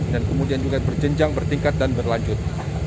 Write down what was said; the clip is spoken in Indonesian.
dan kemudian juga berjenjang bertingkat dan berlanjut